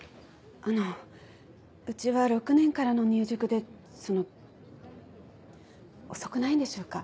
あのうちは６年からの入塾でその遅くないんでしょうか。